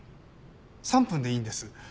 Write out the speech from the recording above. ３分でいいんです。